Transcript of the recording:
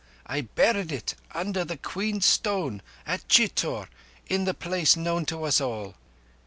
I buried it under the Queen's Stone, at Chitor, in the place known to us all."